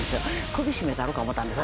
首絞めたろか思うたんです。